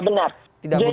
tidak tidak benar